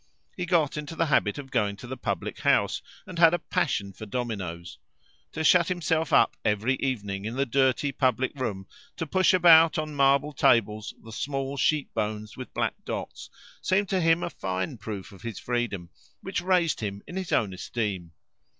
He got into the habit of going to the public house, and had a passion for dominoes. To shut himself up every evening in the dirty public room, to push about on marble tables the small sheep bones with black dots, seemed to him a fine proof of his freedom, which raised him in his own esteem.